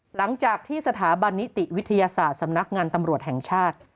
หลังจากที่สถาบันนิติวิทยาศาสตร์สำนักงานตำรวจแห่งชาติ